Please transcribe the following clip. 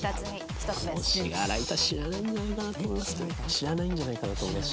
知らないんじゃないかなと思います